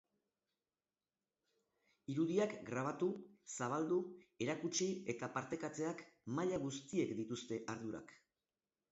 Irudiak grabatu, zabaldu, erakutsi eta partekatzeak, maila guztiek dituzte ardurak.